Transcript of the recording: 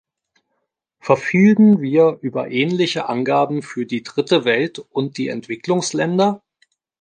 Verfügen wir über ähnliche Angaben für die Dritte Welt und die Entwicklungsländer?